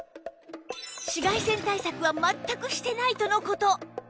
紫外線対策は全くしてないとの事